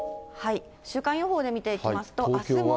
週間予報で見ていきますと、あすは。